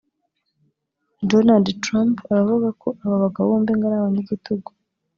Donald Trump aravuga ko aba bagabo bombi ngo ari abanyagitugu